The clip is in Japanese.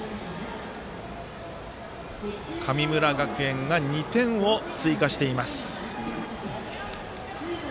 神村学園が２点を追加しています。